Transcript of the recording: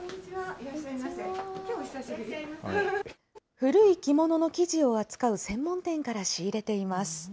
古い着物の生地を扱う専門店から仕入れています。